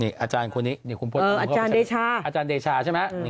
อาจารย์คนนี้คุณอาจารย์เดชาใช่ไหม